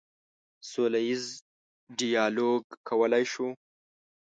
سوله ییز ډیالوګ کولی شو.